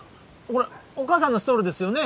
これお母さんのストールなんですよね？